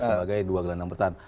sebagai dua gelendang pertahanan